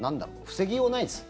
防ぎようがないです。